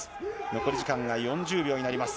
残り時間が４０秒になります。